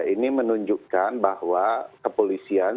ini menunjukkan bahwa kepolisian